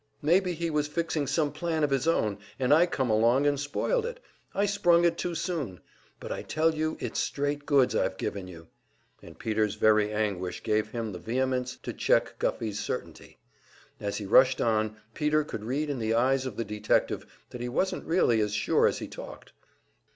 Maybe he was fixing some plan of his own, and I come along and spoiled it; I sprung it too soon. But I tell you it's straight goods I've given you." And Peter's very anguish gave him the vehemence to check Guffey's certainty. As he rushed on, Peter could read in the eyes of the detective that he wasn't really as sure as he talked.